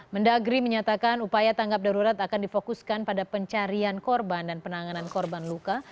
mendagri menyatakan upaya tanggap darurat akan difokuskan pada pencarian korban dan penanganan korban luka